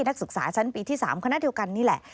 นักศึกษาชั้นปีที่๓คณะเดียวกันนี่แหละ